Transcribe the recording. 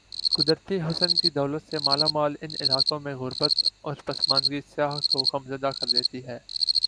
قدرتی حسن کی دولت سے مالا مال ان علاقوں میں غر بت اور پس ماندگی سیاح کو غم زدہ کر دیتی ہے ۔